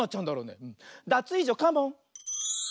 ダツイージョカモン！